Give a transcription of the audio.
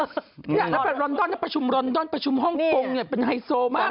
นี่นั่นเป็นรอนดอนนั่นเป็นประชุมรอนดอนประชุมฮ่องกงเป็นไฮโซมากเลย